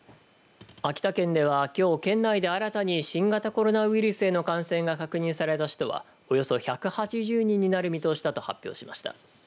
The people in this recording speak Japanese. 秋田県はきょう県内で新たに新型コロナウイルスへの感染が確認された人は、およそ１８０人になる見通しだと発表しました。